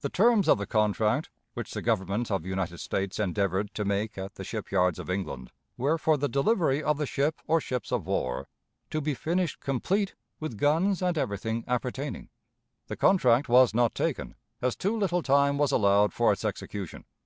The terms of the contract, which the Government of the United States endeavored to make at the ship yards of England, were for the delivery of the ship or ships of war, "to be finished complete, with guns and everything appertaining." The contract was not taken, as too little time was allowed for its execution.